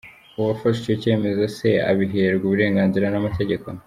Uwafashe icyo cyemezo se abiherwa uburenganzira n’amategeko ?